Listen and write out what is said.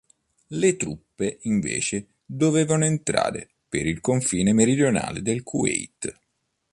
Le truppe, invece, dovevano entrare per il confine meridionale del Kuwait.